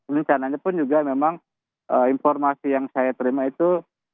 rencananya pun juga memang informasi yang saya terima itu